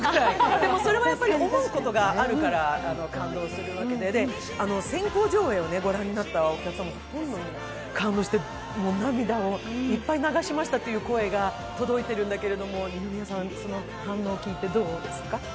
でもそれは思うことがあるから感動するわけで先行上映をご覧になったお客さんもほとんど感動して涙をいっぱい流しましたという声が届いているんですけれども、二宮さん、その反応を聞いてどうですか？